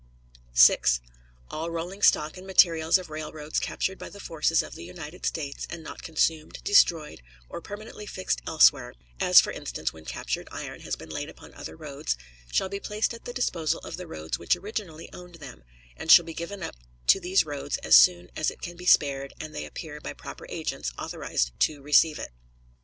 6. All rolling stock and materials of railroads captured by the forces of the United States, and not consumed, destroyed, or permanently fixed elsewhere as, for instance, when captured iron has been laid upon other roads shall be placed at the disposal of the roads which originally owned them, and shall be given up to these roads as soon as it can be spared and they appear by proper agents authorized to receive it.